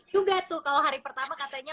juga tuh kalau hari pertama katanya